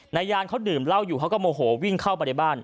นายยานเขาดื่มเหล้าอยู่เขาก็โมโหวิ่งเข้ามาในบ้าน